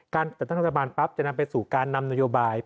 จัดตั้งรัฐบาลปั๊บจะนำไปสู่การนำนโยบาย